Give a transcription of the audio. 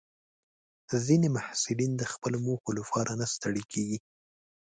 ځینې محصلین د خپلو موخو لپاره نه ستړي کېږي.